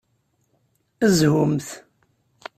Zhumt!